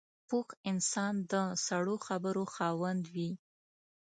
پوخ انسان د سړو خبرو خاوند وي